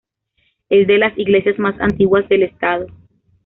Es de las iglesias más antiguas del estado.